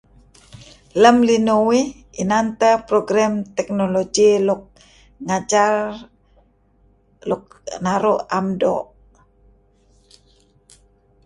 Lem linuh uih inan teh program technology luk ngajar luk naru' am doo'.